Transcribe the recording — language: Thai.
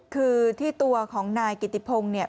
คือที่ตัวของนายกิติพงศ์เนี่ย